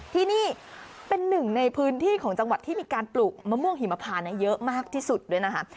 ที่นี่เป็นหนึ่งในพื้นที่ของจังหวัดที่มีการปลูกมะม่วงหิมพานเยอะมากที่สุดด้วยนะคะ